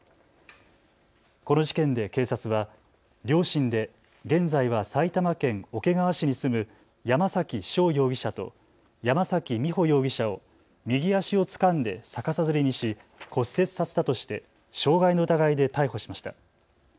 この事件で警察は両親で現在は埼玉県桶川市に住む山崎翔容疑者と山崎美穂容疑者を右足をつかんで逆さづりにし骨折させたとして傷害の疑いで逮捕しました。